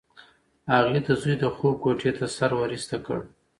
هغې د زوی د خوب کوټې ته سر ورایسته کړ.